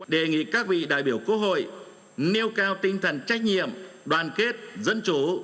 đề nghị các vị đại biểu quốc hội nêu cao tinh thần trách nhiệm đoàn kết dân chủ